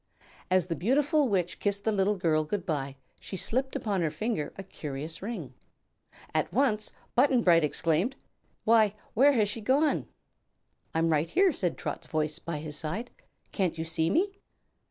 As the beautiful Witch kissed the little girl good bye she slipped upon her finger a curious ring. At once Button Bright exclaimed: "Why, where has she gone?" "I'm right here," said Trot's voice by his side. "Can't you see me?"